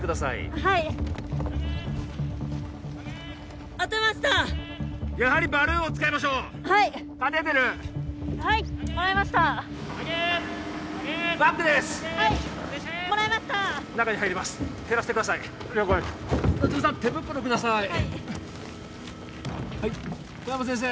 はいはい小山先生